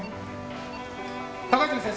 高泉先生